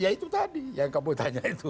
ya itu tadi yang kamu tanya itu